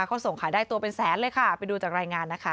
เขาส่งขายได้ตัวเป็นแสนเลยค่ะไปดูจากรายงานนะคะ